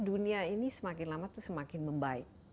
dunia ini semakin lama itu semakin membaik